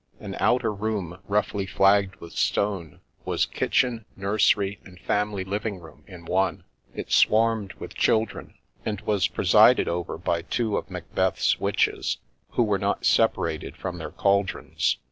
An outer room roughly flagged with stone, was kitchen, nursery, and family living room in one. It swarmed with children, and was presided over by two of Macbeth's witches, who were not separated from their cauldrons.